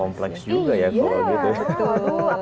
kompleks juga ya kalau gitu